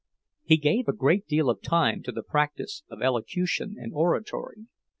He gave a great deal of time to the practice of elocution and oratory.